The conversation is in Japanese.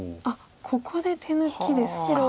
あっここで手抜きですか。